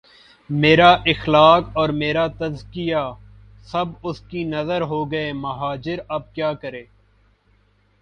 میرا اخلاق اور میرا تزکیہ، سب اس کی نذر ہو گئے مہاجر اب کیا کریں؟